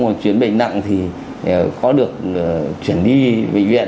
mà chuyển bệnh nặng thì có được chuyển đi bệnh viện